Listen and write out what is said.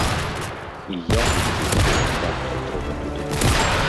І я лічу, што вяртацца трэба туды.